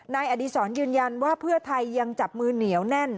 อดีศรยืนยันว่าเพื่อไทยยังจับมือเหนียวแน่น